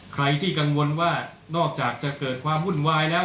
ใครที่กังวลว่านอกจากจะเกิดความวุ่นวายแล้ว